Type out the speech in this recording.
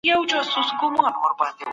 تاريخ خپل اصلي هويت راته پېژني.